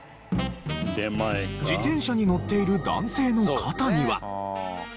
自転車に乗っている男性の肩には。